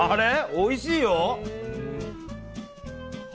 おいしいよ！